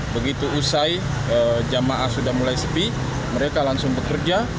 begitu usai jemaah sudah mulai sepi mereka langsung bekerja